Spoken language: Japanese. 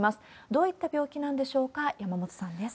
どういった病気なんでしょうか、山本さんです。